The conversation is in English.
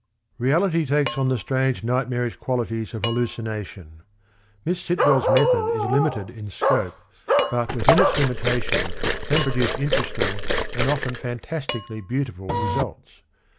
" Reality takes on the strange nightmarish qualities of hallucination. Miss Sitwell's method is limited in scope, but within its limitations can produce interesting and often fantastically beautiful results.